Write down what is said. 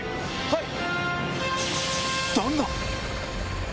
はい！